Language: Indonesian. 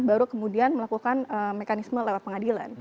baru kemudian melakukan mekanisme lewat pengadilan